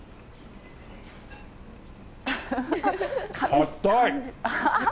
硬い！